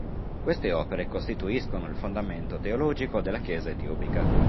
Queste opere costituiscono il fondamento teologico della chiesa etiopica.